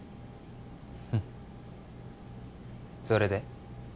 フッそれで？